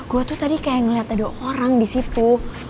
gue tuh tadi kayak ngeliat ada orang di situ